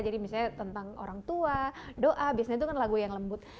jadi misalnya tentang orang tua doa biasanya itu kan lagu yang lembut